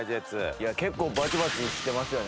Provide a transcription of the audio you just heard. いや結構バチバチしてますよね毎回。